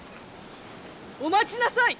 ・お待ちなさい！